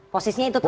posisi itu tetap ya